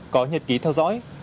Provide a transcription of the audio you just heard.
có nhật ký theo dõi